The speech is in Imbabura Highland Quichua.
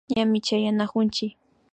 Ñami chayanakunchik